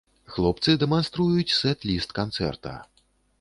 Хлопцы дэманструюць сэт-ліст канцэрта.